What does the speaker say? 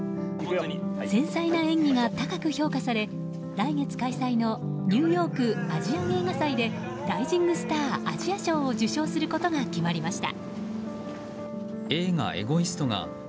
繊細な演技が高く評価され来月開催のニューヨーク・アジアン映画祭でライジングスター・アジア賞を受賞することが決まりました。